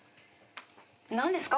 何ですか？